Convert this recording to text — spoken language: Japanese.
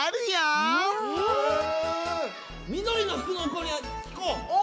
みどりのふくのこにきこう！